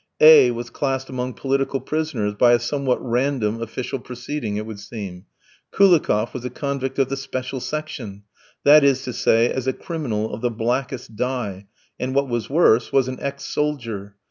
A v was classed among political prisoners, by a somewhat random official proceeding, it would seem; Koulikoff was a convict of the "special section," that is to say, as a criminal of the blackest dye, and, what was worse, was an ex soldier.